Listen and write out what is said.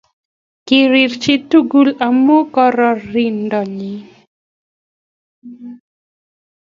Kerei chi tukul amun kororindo nyi.